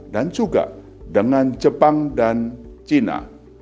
dan juga dengan jepang dan china